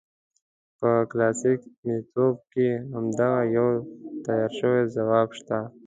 په کلاسیک میتود کې هماغه یو تیار شوی ځواب شته.